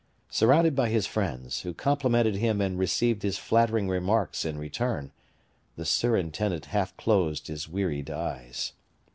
Surrounded by his friends, who complimented him and received his flattering remarks in return, the surintendant half closed his wearied eyes.